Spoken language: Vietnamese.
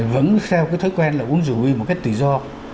vẫn theo cái thói quen là uống rượu bia một cách tự do